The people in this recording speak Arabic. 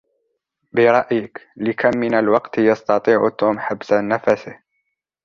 برأيك، لكَم من الوقت يستطيع توم حبس نفَسه؟